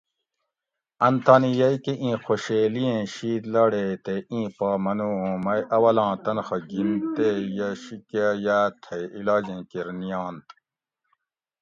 ان تانی یئی کہ اِیں خوشیلئیں شِید لاڑیئے تے اِیں پا منو اُوں مئی اولاں تنخہ گِھیں تے یہ شِیکہ یاۤ تھئی علاجیں کیر نِئینت